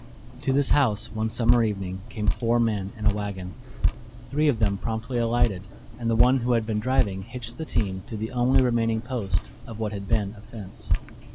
To this house, one summer evening, came four men in a wagon. Three of them promptly alighted, and the one who had been driving hitched the team to the only remaining post of what had been a fence.